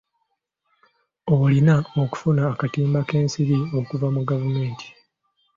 Olina okufuna akatimba k'ensiri okuva mu gavumenti.